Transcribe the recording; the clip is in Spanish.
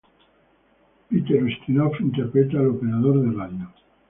Peter Ustinov interpreta al operador de radio.